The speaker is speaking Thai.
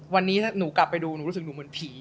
วันนี้ถ้าหนูกลับไปดูหนูรู้สึกหนูเหมือนผี